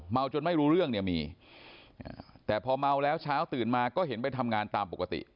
จนไม่รู้เรื่องเนี่ยมีแต่พอเมาแล้วเช้าตื่นมาก็เห็นไปทำงานตามปกติ